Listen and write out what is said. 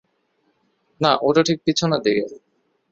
না, ওটা ঠিক পেছনের দিকে।